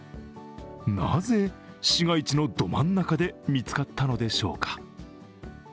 なぜ市街地のど真ん中で見つかったのでしょうか。